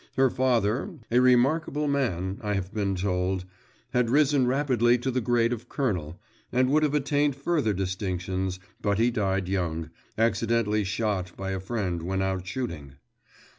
Her father a remarkable man, I have been told had risen rapidly to the grade of colonel, and would have attained further distinctions, but he died young, accidentally shot by a friend when out shooting.